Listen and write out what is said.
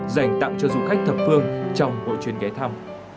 dành tặng cho du khách thập phương trong mỗi chuyến ghé thăm